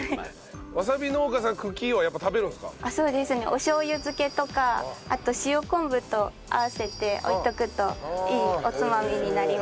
おしょう油漬けとかあと塩昆布と合わせておいておくといいおつまみになります。